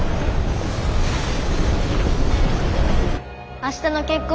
明日の結婚